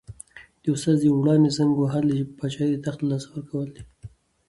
د استاد په وړاندې زنګون وهل د پاچاهۍ د تخت تر لاسه کول دي.